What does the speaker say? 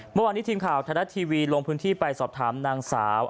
เมื่อวานนี้ทีมข่าวไทยรัฐทีวีลงพื้นที่ไปสอบถามนางสาว